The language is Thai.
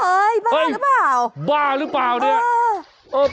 หุ้ยบ้าหรือเปล่าเนี่ยอืม